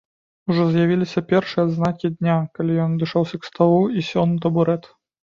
Ужо з'явіліся першыя адзнакі дня, калі ён адышоўся к сталу і сеў на табурэт.